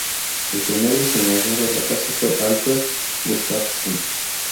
El primer diseñador de la casa fue Alfred Gustafsson.